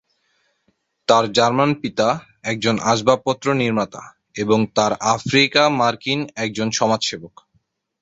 তার জার্মান পিতা একজন আসবাবপত্র নির্মাতা এবং তার আফ্রিকা-মার্কিন একজন সমাজ সেবক।